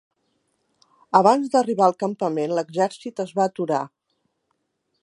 Abans d'arribar al campament, l'exèrcit es va aturar.